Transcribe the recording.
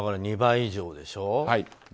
２倍以上でしょ。